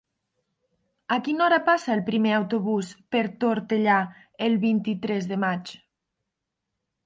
A quina hora passa el primer autobús per Tortellà el vint-i-tres de maig?